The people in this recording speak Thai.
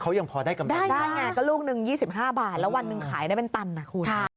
เขายังพอได้กำไรได้ซะแมงนิดนึง๒๕บาทแล้ววันนึงขายเป็นตันน่ะครู